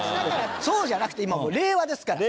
そうじゃなくて今はもう令和ですから。